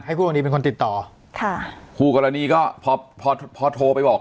คู่กรณีเป็นคนติดต่อค่ะคู่กรณีก็พอพอโทรไปบอก